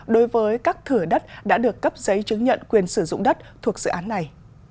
đối với các thửa đất đã được cấp giấy chứng nhận quyền sử dụng đất thuộc dự án này